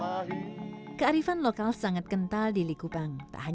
aku katakan kami harus dekestrasi template us putih trouble